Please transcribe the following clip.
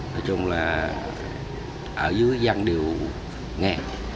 nói chung là ở dưới dân đều nghe